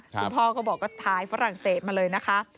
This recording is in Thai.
คุณพ่อก็บอกว่าท้ายฝรั่งเศสมาเลยนะคะ